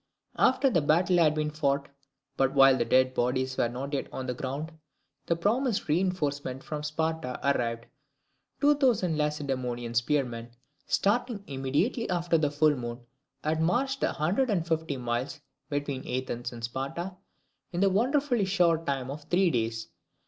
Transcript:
After the battle had been fought, but while the dead bodies were yet on the ground, the promised reinforcement from Sparta arrived. Two thousand Lacedaemonian spearmen, starting immediately after the full moon, had marched the hundred and fifty miles between Athens and Sparta in the wonderfully short time of three days.